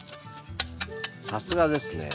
さすがですね。